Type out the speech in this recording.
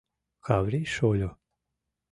Каврий шольо...